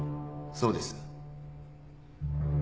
そうです。